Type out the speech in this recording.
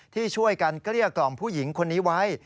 ที่ช่วยกันเกลี้ยกล่อมผู้หญิงคนนี้ไว้